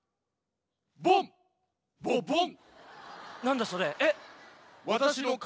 ボンボボン。